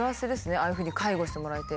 ああいうふうに介護してもらえて。